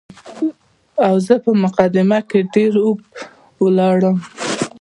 او زه په مقدمه کې ډېر اوږد ولاړم.